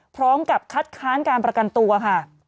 พร้อมกับคัดค้านการประกันตัวค่ะ